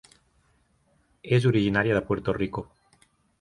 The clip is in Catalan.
És originària de Puerto Rico.